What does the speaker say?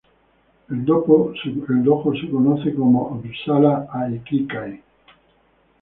El dojo se conoce como "Uppsala Aikikai".